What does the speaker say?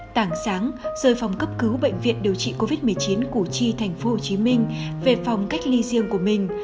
tảng sáng rời phòng cấp cứu bệnh viện điều trị covid một mươi chín củ chi thành phố hồ chí minh về phòng cách ly riêng của mình